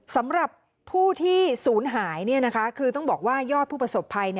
สำหรับผู้ที่ศูนย์หายคือต้องบอกว่ายอดผู้ประสบภัย